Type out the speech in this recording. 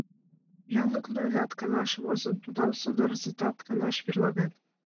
Янлык ноенат, канаш возын, тунам сонарзетат канаш верланен.